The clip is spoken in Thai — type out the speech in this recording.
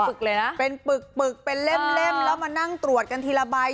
เลยนะเป็นปึกปึกเป็นเล่มแล้วมานั่งตรวจกันทีละใบ